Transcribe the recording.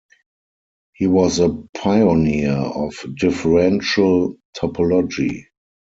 He was a pioneer of differential topology.